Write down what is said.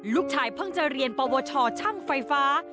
ลูกชายเพิ่งจะเรียนปวชช่างไฟฟ้า